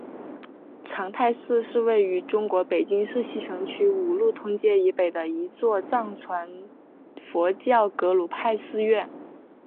长泰寺是位于中国北京市西城区五路通街以北的一座藏传佛教格鲁派寺院。